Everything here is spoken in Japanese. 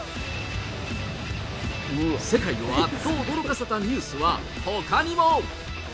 世界をあっと驚かせたニュースはほかにも。